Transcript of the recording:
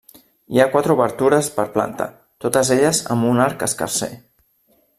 Hi ha quatre obertures per planta, totes elles amb un arc escarser.